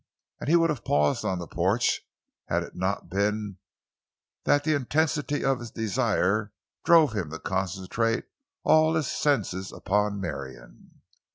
And he would have paused on the porch had it not been that the intensity of his desires drove him to concentrate all his senses upon Marion.